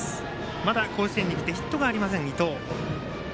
まだ甲子園に来てヒットがありません、伊藤。